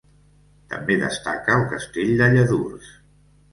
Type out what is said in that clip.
També destaca el Castell de Lladurs.